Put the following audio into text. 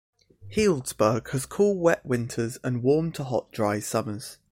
Healdsburg has cool, wet winters and warm to hot, dry summers.